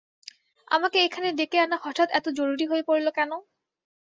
আমাকে এখানে ডেকে আনা হঠাৎ এত জরুরি হয়ে পড়ল কেন?